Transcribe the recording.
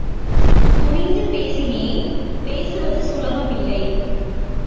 துணிந்து பேசினேன் பேசுவது சுலபம் இல்லை.